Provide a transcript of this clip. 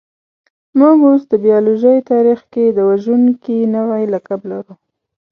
موږ اوس د بایولوژۍ تاریخ کې د وژونکي نوعې لقب لرو.